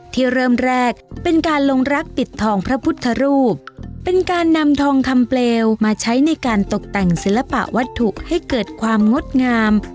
เริ่มแรกเป็นการลงรักปิดทองพระพุทธรูปเป็นการนำทองคำเปลวมาใช้ในการตกแต่งศิลปะวัตถุให้เกิดความงดงาม